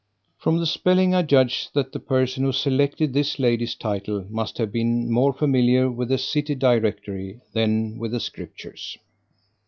From the spelling, I judge that the person who selected this lady's title must have been more familiar with the City Directory than with the Scriptures.